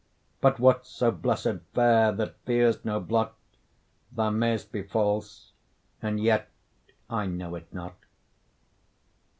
But what's so blessed fair that fears no blot? Thou mayst be false, and yet I know it not.